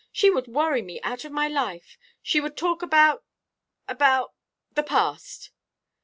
"She would worry me out of my life. She would talk about about the past."